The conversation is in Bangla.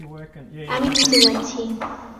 আমি নিচে যাচ্ছি।